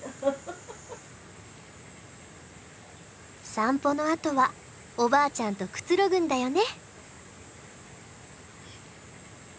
散歩のあとはおばあちゃんとくつろぐんだよね。